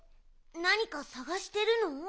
なにかさがしてるの？